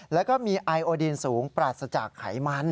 แล้วก็มีไอโอดีนสูงปราศจากไขมัน